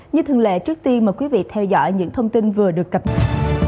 như thường lệ trước tiên mời quý vị theo dõi những thông tin vừa được cập nhật